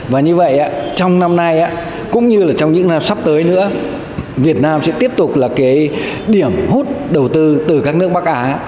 và như vậy trong năm nay cũng như là trong những năm sắp tới nữa việt nam sẽ tiếp tục là cái điểm hút đầu tư từ các nước bắc á